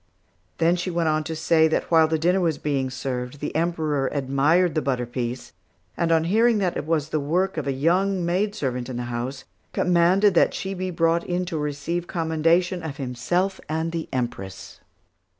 Then she went on to say that while the dinner was being served, the Emperor admired the butter piece, and on hearing that it was the work of a young maidservant in the house, commanded that she be brought in to receive commendation of himself and the Empress.